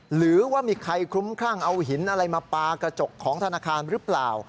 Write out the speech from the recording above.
หรือว่ามีใครคลุ้มคลั่งเอาหินอะไรมาปลากระจกของธนาคารหรือเปล่า